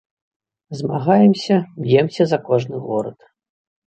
Змагаемся, б'емся за кожны горад.